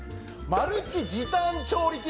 マルチ時短調理器具